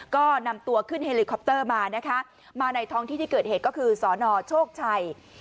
ก็นำตัวขึ้นเฮลิคอปเตอร์มานะคะมาในท้องที่ที่เกิดเหตุก็คือสนโชคชัย